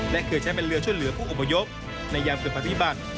และเคยใช้เป็นเรือช่วยเหลือผู้อพยพในยามฝึกปฏิบัติ